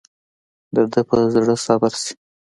دده به زړه صبر شي.